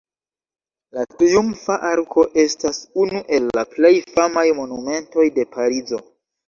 La Triumfa Arko estas unu el la plej famaj monumentoj de Parizo.